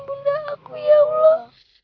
bunda aku ya allah